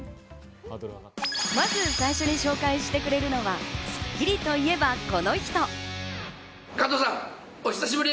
まず最初に紹介してくれるのは、『スッキリ』といえばこの人。